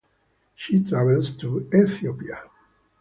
She travels to Ethiopia.